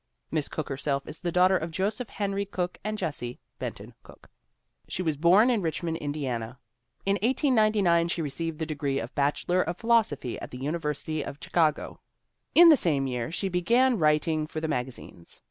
Miss Cooke herself is the daughter of Joseph Henry Cooke and Jessie (Benton) Cooke. She was born in Richmond, Indiana. In 1899 she received the degree of Bachelor of Philosophy at the University of Chi cago. In the same year she began writing for the magazines.